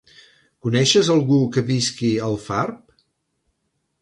Coneixes algú que visqui a Alfarb?